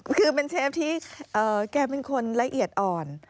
คือเป็นเชฟที่แกเป็นคนละเอียดอ่อน